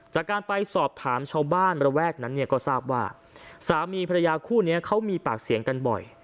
จากการไปสอบถามชาวบ้านระแวกนั้นเนี่ยก็ทราบว่าสามีภรรยาคู่นี้เขามีปากเสียงกันบ่อย